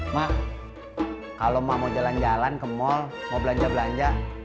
mak kalau mau jalan jalan ke mall mau belanja belanja